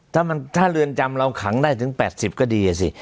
ถ้าเรือนจำเราขังได้ถึง๘๐ก็ดีสิ